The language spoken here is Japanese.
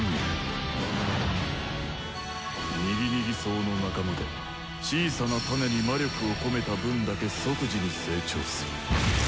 ニギニギ草の仲間で小さな種に魔力を込めた分だけ即時に成長する。